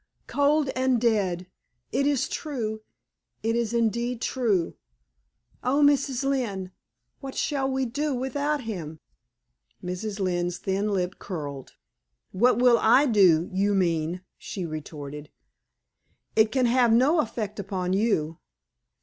cold and dead! It is true it is indeed true. Oh, Mrs. Lynne! what shall we do without him?" Mrs. Lynne's thin lip curled. "What will I do, you mean?" she retorted. "It can have no effect upon you.